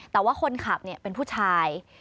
แต่ว่าคนขับเป็นผู้ชาย